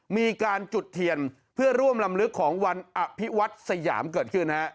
มีการจุดเทียนเพื่อร่วมลำลึกของวันอภิวัตสยามเกิดขึ้นฮะ